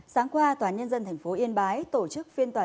sáng qua tnth yên bái tổ chức phiên tục